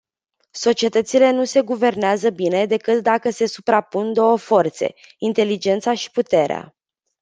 Societățile nu se guvernează bine decât dacă se suprapun două forțe: inteligența și puterea.